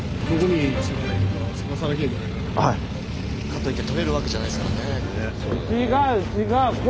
かといってとれるわけじゃないですからね。